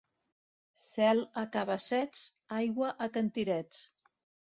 Cel a cabassets, aigua a cantirets.